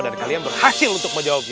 kalian berhasil untuk menjawabnya